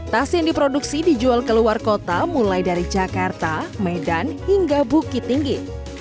tas yang diproduksi dijual ke luar kota mulai dari jakarta medan hingga bukit tinggi